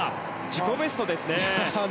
自己ベストですね。